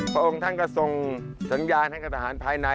พระองค์ท่านก็ทรงสัญญาท่านก็ทหารภายใน